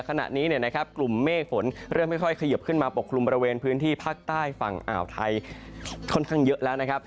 กลุ่มเมฆฝนเริ่มค่อยขยบขึ้นมาปกคลุมบริเวณพื้นที่ภาคใต้ฝั่งอ่าวไทยค่อนข้างเยอะแล้วนะครับ